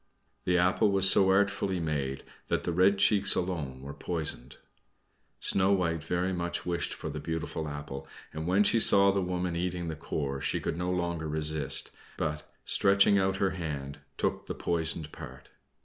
(The apple was so artfully made that the red cheeks alone were poisoned.) Snow White very much wished for the beautiful apple, and when she saw the woman eating the core she could no longer resist, but, stretching out her hand, took the poisoned part.